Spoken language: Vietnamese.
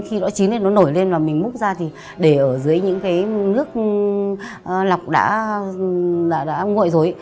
khi bão chín này nó nổi lên và mình múc ra thì để ở dưới những cái nước lọc đã nguội rồi